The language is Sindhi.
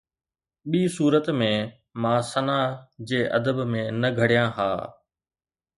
ٻي صورت ۾، مان ثناءَ جي ادب ۾ نه گهڙيان ها